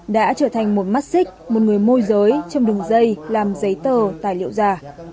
đã trở thành một mắt xích một người môi giới trong đường dây làm giấy tờ tài liệu giả